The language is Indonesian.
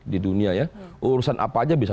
di dunia ya urusan apa aja bisa